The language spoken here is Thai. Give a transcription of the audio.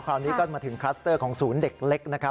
คราวนี้ก็มาถึงคลัสเตอร์ของศูนย์เด็กเล็กนะครับ